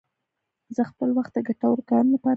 زه خپل وخت د ګټورو کارونو لپاره ساتم.